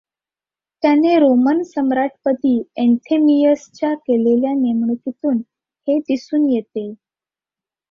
त्याने रोमन सम्राटपदी ऍन्थेमियसच्या केलेल्या नेमणुकीतुन हे दिसुन येते.